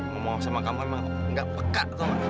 ngomong sama kamu emang gak peka tau gak